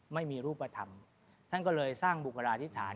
ไม่มีรูปธรรมท่านก็เลยสร้างบุคลาธิษฐาน